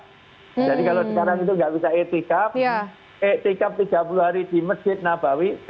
jadi kalau sekarang itu nggak bisa ikhtikaf ikhtikaf tiga puluh hari di masjid nabawi kalah pahalanya dengan orang yang menuyuk